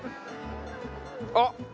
あっ！